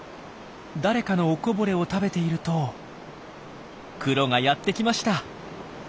誰かのおこぼれを食べているとクロがやってきました。